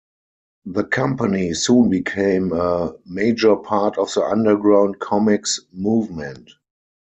The company soon became a major part of the underground comix movement.